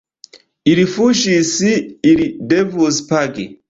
Ili fuŝis, ili devus pagi.